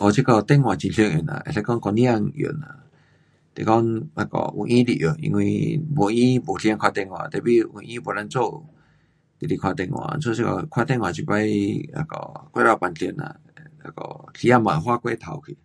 哦这个电话很常用呐，可以讲一整天用呐。是讲那个有闲就用，因为没闲没时间打电话 tapi 有闲没摊做，就是看电话，因此这个看电话这次那个过头平常啦，那个时间也花过头去。